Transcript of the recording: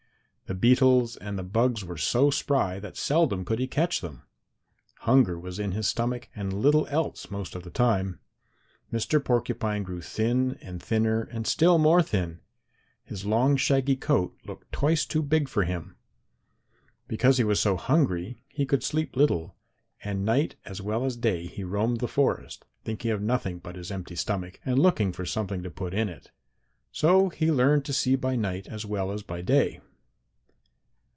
The beetles and the bugs were so spry that seldom could he catch them. Hunger was in his stomach, and little else most of the time. Mr. Porcupine grew thin and thinner and still more thin. His long, shaggy coat looked twice too big for him. Because he was so hungry he could sleep little, and night as well as day he roamed the forest, thinking of nothing but his empty stomach, and looking for something to put in it. So he learned to see by night as well as by day.